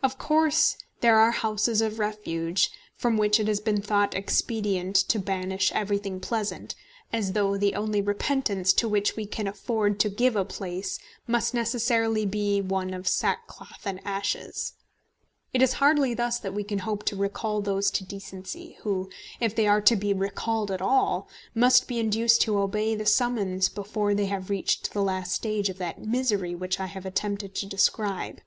Of course there are houses of refuge, from which it has been thought expedient to banish everything pleasant, as though the only repentance to which we can afford to give a place must necessarily be one of sackcloth and ashes. It is hardly thus that we can hope to recall those to decency who, if they are to be recalled at all, must be induced to obey the summons before they have reached the last stage of that misery which I have attempted to describe.